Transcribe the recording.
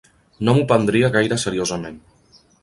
No m'ho prendria gaire seriosament.